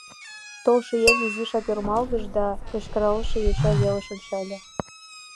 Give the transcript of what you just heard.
Толшо еҥ изишак ӧрмалгыш да кычкыралше йоча велыш ончале.